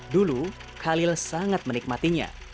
dulu khalil sangat menikmatinya